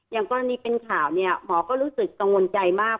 อย่างกรณีเป็นข่าวเนี่ยหมอก็รู้สึกกังวลใจมาก